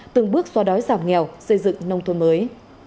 từng bước xóa đói giảm nghèo xây dựng nông thôn mới